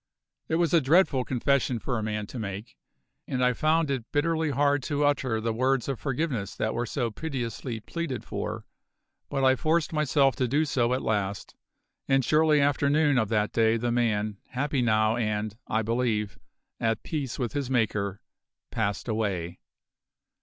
It was a dreadful confession for a man to make; and I found it bitterly hard to utter the words of forgiveness that were so piteously pleaded for, but I forced myself to do so at last; and shortly after noon of that day the man, happy now and, I believe, at peace with his Maker, passed away.